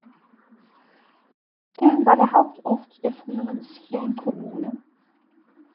Skjern war der Hauptort der früheren Skjern Kommune.